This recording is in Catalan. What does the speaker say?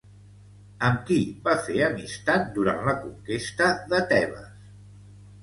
Amb qui va fer amistat durant la conquesta de Tebes?